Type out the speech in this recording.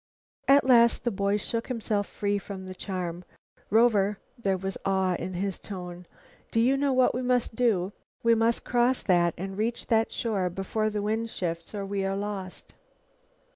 At last the boy shook himself free from the charm. "Rover," there was awe in his tone, "do you know what we must do? We must cross that and reach that shore before the wind shifts or we are lost."